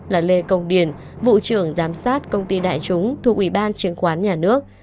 là lê công điền vụ trưởng giám sát công ty đại chúng thuộc ủy ban chứng khoán nhà nước